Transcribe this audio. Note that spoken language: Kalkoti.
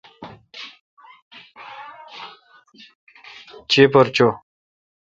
چیپر چو۔